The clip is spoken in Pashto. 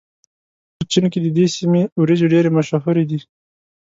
په چين کې د دې سيمې وريجې ډېرې مشهورې دي.